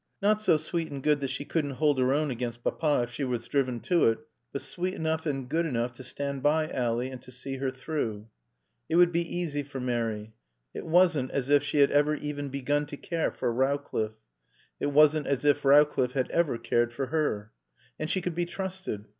Not so sweet and good that she couldn't hold her own against Papa if she was driven to it, but sweet enough and good enough to stand by Ally and to see her through. It would be easy for Mary. It wasn't as if she had ever even begun to care for Rowcliffe. It wasn't as if Rowcliffe had ever cared for her. And she could be trusted.